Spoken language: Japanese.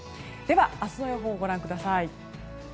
明日の予報をご覧ください。